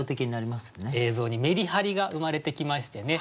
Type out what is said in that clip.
映像にメリハリが生まれてきましてね